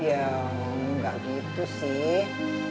ya enggak gitu sih